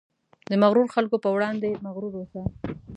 د مغرورو خلکو په وړاندې مغرور اوسه.